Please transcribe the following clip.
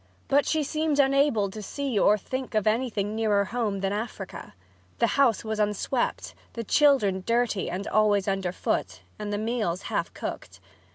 But she seemed unable to see or think of anything nearer home than Africa. The house was unswept, the children dirty and always under foot, and the meals half cooked.